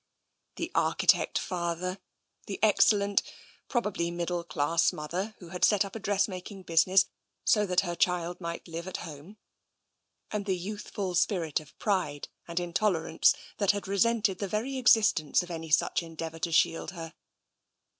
The architect father, the excellent, probably middle class mother, who had set up a dressmaking business so that her child might live at home, and the youthful spirit of pride and intolerance that had resented the very existence of any such endeavour to shield her.